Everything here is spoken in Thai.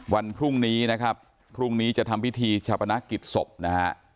วันพรุ่งนี้นะครับพรุ่งนี้จะทำพิธีชาปนักกิจศพนะฮะ